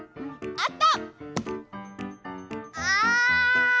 あった！